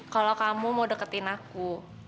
kalau kamu mau deketin aku